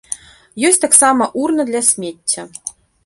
Ёсць таксама урна для смецця.